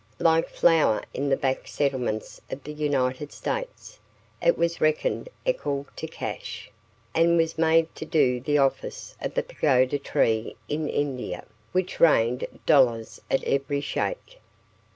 Like flour in the back settlements of the United States, it was reckoned "ekal to cash," and was made to do the office of the pagoda tree in India, which rained dollars at every shake.